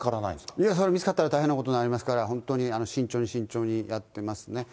いや、見つかったら大変なことになりますから、本当に慎重に慎重にやってますね。